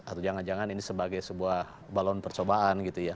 atau jangan jangan ini sebagai sebuah balon percobaan gitu ya